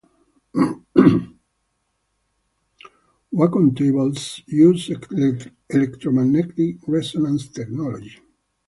Wacom tablets use electromagnetic resonance technology.